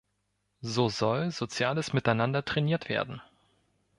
So soll soziales Miteinander trainiert werden.